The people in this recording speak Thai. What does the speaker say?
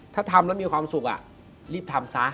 ถ้าทำแล้วมีความสุขรีบทำซะ